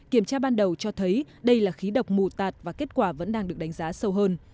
kiểm tra ban đầu cho thấy đây là khí độc mù tạt và kết quả vẫn đang được đánh giá sâu hơn